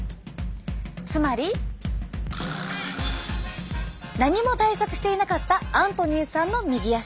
つまり！何も対策していなかったアントニーさんの右足。